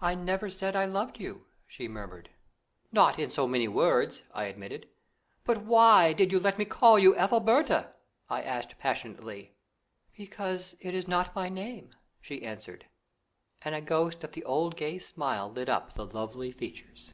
"I never said I loved you," she murmured. "Not in so many words," I admitted; "but why did you let me call you Ethelberta?" I asked passionately. "Because it is not my name," she answered; and a ghost of the old gay smile lit up the lovely features.